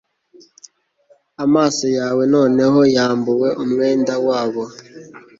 amaso yawe noneho yambuwe umwenda wabo